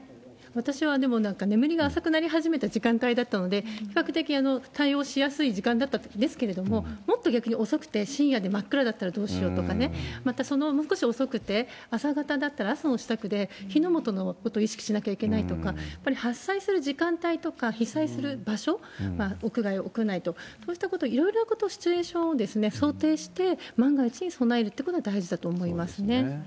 私はでも、なんか、眠りが浅くなり始めた時間帯だったので、比較的対応しやすい時間だったんですけれども、もっと逆に遅くて、深夜で真っ暗だったらどうしようとかね、またその、もう少し遅くて、朝方だったら、朝の支度で火の元のことを意識しなきゃいけないとか、やっぱり発災する時間帯とか被災する場所、屋外や屋内と、そうしたいろいろなシチュエーションを想定して、万が一に備えるっていうことも大事だと思いますね。